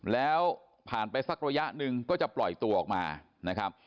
แล้วผ่านไปสักระยะหนึ่งก็จะปล่อยตัวออกมานะครับ